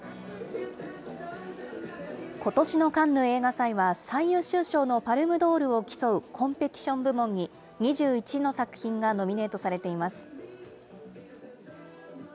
ことしのカンヌ映画祭は最優秀賞のパルムドールを競うコンペティション部門に２１の作品がノミネートされています。